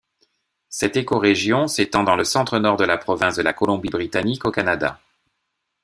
Cette écorégion s'étend dans le centre-nord de la province de la Colombie-Britannique au Canada.